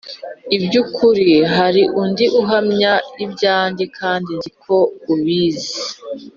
iby ukuri Hari undi uhamya ibyanjye kandi nzi ko ubizi